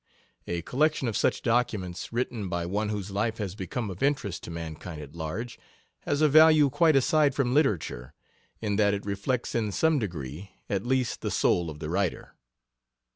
A collection of such documents, written by one whose life has become of interest to mankind at large, has a value quite aside from literature, in that it reflects in some degree at least the soul of the writer.